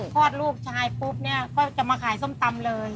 คลอดลูกชายปุ๊บเนี่ยก็จะมาขายส้มตำเลย